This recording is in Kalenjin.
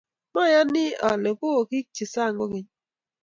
moyoni ale ko okrchikei sang kokeny